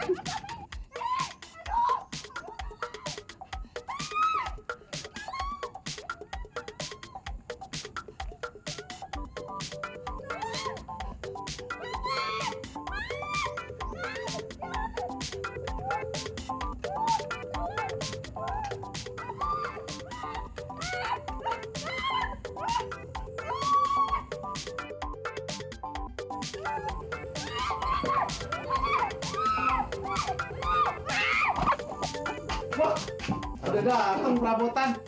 udah dateng perabotan